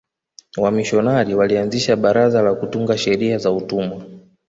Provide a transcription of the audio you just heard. wamishionari walianzisha baraza la kutunga sheria za utumwa